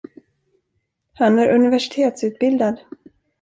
Han är universitetsutbildad.